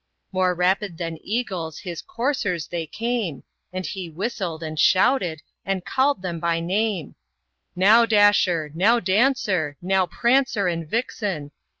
More rapid than eagles his coursers they came, And he whistled, and shouted, and called them by name; "Now, Dasher! now, Dancer! now, Prancer and Vixen!